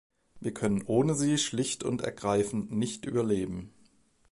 Wir können ohne sie schlicht und ergreifend nicht überleben.